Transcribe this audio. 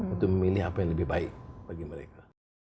untuk memilih apa yang lebih baik bagi mereka